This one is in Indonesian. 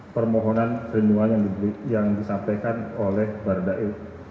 permohonan perlindungan yang disampaikan oleh baradae